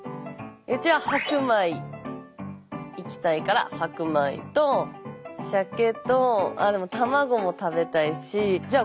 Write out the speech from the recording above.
うちは白米いきたいから白米とさけとでも卵も食べたいしじゃあ